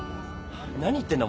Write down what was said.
何言ってんだ？